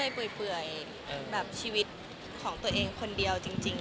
ไม่นะคะก็ยังเรื่อยเปื่อยชีวิตของตัวเองคนเดียวจริงค่ะตอนนี้